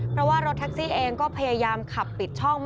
เพราะว่ารถแท็กซี่เองก็พยายามขับปิดช่อง